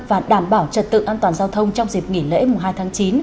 và đảm bảo trật tự an toàn giao thông trong dịp nghỉ lễ mùng hai tháng chín